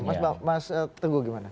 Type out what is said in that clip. mas tenggu gimana